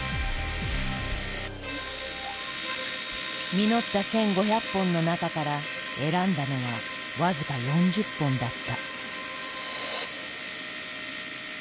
実った１，５００本の中から選んだのは僅か４０本だった。